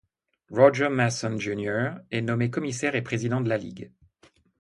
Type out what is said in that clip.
Roger Mason Jr est nommé commissaire et président de la ligue.